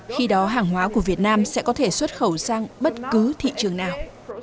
khi đó hàng hóa của việt nam sẽ có thể xuất khẩu sang bất cứ thị trường nào